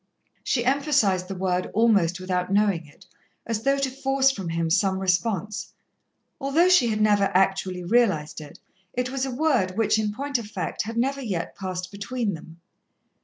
She emphasized the word almost without knowing it, as though to force from him some response. Although she had never actually realized it, it was a word which, in point of fact, had never yet passed between them.